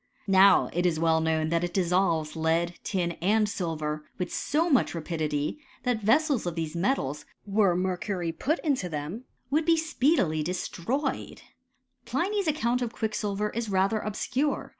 * Now it is well known that it dissolves lead, tin, and silver with so much rapidity, that vessels of these metals, were mep» cury put into them, would be speedily destroyed* Pliny's account of quicksilver is rather obscure.